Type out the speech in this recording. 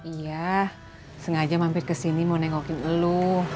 iya sengaja mampir ke sini mau nengokin lu